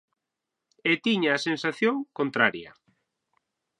E tiña a sensación contraria.